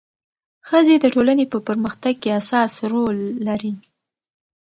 ښځې د ټولنې په پرمختګ کې اساسي رول لري.